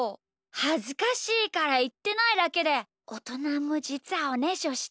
はずかしいからいってないだけでおとなもじつはおねしょしてるんだよ。